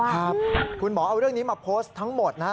ครับคุณหมอเอาเรื่องนี้มาโพสต์ทั้งหมดนะฮะ